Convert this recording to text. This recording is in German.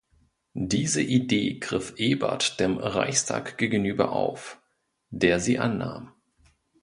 Diese Idee griff Ebert dem Reichstag gegenüber auf, der sie annahm.